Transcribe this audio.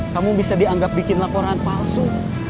kamu bisa dianggap bikin laporan palsu